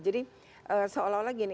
jadi seolah olah gini